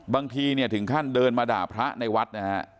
บางทีถึงขั้นเดินมาด่าพระในวัดนะครับ